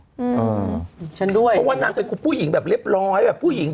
เพราะว่านางเป็นคุณผู้หญิงแบบเรียบร้อย